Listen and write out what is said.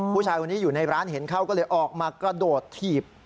ผู้ชายคนนี้อยู่ในร้านเห็นเขาก็เลยออกมากระโดดถีบ